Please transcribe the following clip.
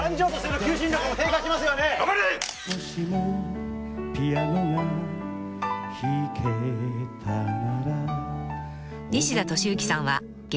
「もしもピアノが弾けたなら」